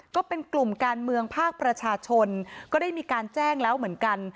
ก็เป็นกลุ่มการเมืองภาคประชาชนก็ได้มีการแจ้งแล้วเหมือนกัน